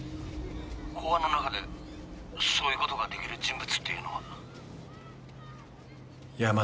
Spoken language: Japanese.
公安の中でそういう事ができる人物っていうのは？